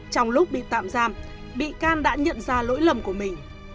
trong lúc bị tạm giam bị can đã nhận ra lỗi lầm của mình